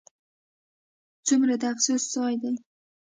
ځومره د افسوس ځاي دي